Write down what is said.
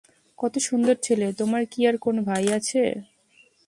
কতো সুন্দর ছেলে তোমার কি আর কোন ভাই আছে?